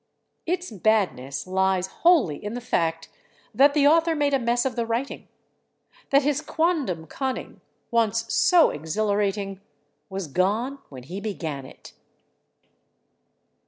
Its badness lies wholly in the fact that the author made a mess of the writing, that his quondam cunning, once so exhilarating, was gone when he began it.